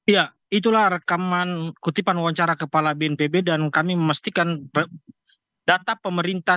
ya itulah rekaman kutipan wawancara kepala bnpb dan kami memastikan data pemerintah